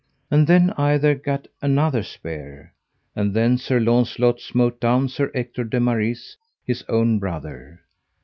And then either gat another spear. And then Sir Launcelot smote down Sir Ector de Maris, his own brother.